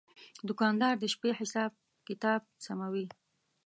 دوکاندار د شپې حساب کتاب سموي.